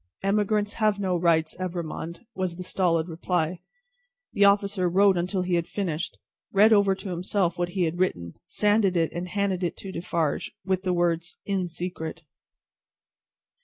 "Emigrants have no rights, Evrémonde," was the stolid reply. The officer wrote until he had finished, read over to himself what he had written, sanded it, and handed it to Defarge, with the words "In secret."